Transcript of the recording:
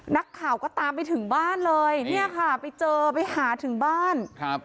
นักข่าวก็ตามไปถึงบ้านเลยไปเจอไปหาถึงบ้าน